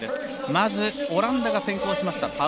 まずオランダが先行しました。